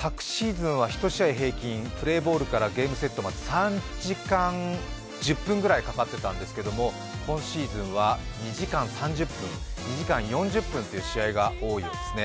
昨シーズンは１ゲーム平均、プレーボールからゲームセットまで３時間１０分ぐらいかかってたんですけれども、今シーズンは２時間３０分、２時間４０分という試合が多いようなんですね。